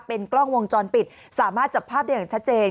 เป็นกล้องวงจรปิดสามารถจับภาพได้อย่างชัดเจน